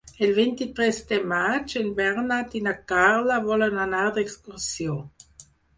El vint-i-tres de maig en Bernat i na Carla volen anar d'excursió.